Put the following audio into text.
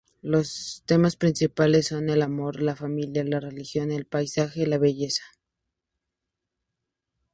Los temas principales son el amor, la familia, la religión, el paisaje, la belleza...